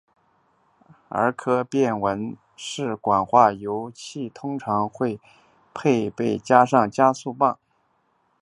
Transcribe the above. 而可变文氏管化油器通常会配备上加速泵来改善油门突然大开而吸不到汽油的缺点。